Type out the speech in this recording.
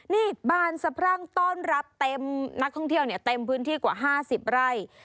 นี่บานสะพรั่งต้อนรับเต็มนักท่องเที่ยวเนี่ยเต็มพื้นที่กว่า๕๐ไร่